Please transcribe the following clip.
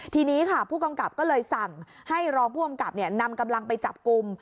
ทีนี้ค่ะผู้กำกับก็เลยสั่งให้รองผู้กำกับนำกำลังไปจับกลุ่ม